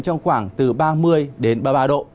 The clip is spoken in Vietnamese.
trong khoảng từ ba mươi đến ba mươi ba độ